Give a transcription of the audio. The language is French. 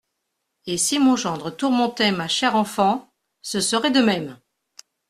Et si mon gendre tourmentait ma chère enfant, ce serait de même.